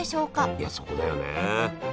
いやそこだよね。